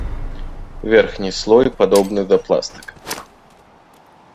Верхні слой падобны да пластыка.